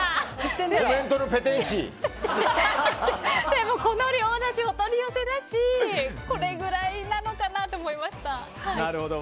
でも、この量だしお取り寄せだしこのぐらいなのかなと思いました。